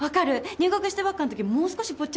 入学したばっかの時もう少しぽっちゃりしてたし。